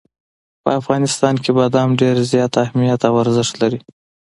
په افغانستان کې بادام ډېر زیات اهمیت او ارزښت لري.